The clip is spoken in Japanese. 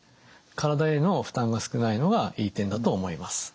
体への負担が少ないのがいい点だと思います。